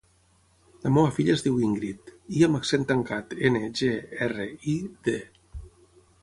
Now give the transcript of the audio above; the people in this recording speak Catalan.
La meva filla es diu Íngrid: i amb accent tancat, ena, ge, erra, i, de.